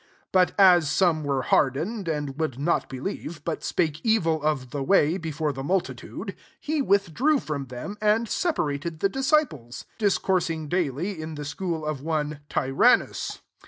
9 But as )me were hardened, and would 3t believe, but spake evil of te way before the multitude, s withdrew from them, and iparated the disciples ; dis )ur8ing daily in the school of ne Tyrannus.